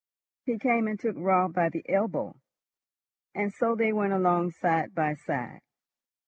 He came and took Raut by the elbow, and so they went along side by side.